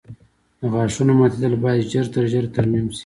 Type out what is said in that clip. د غاښونو ماتېدل باید ژر تر ژره ترمیم شي.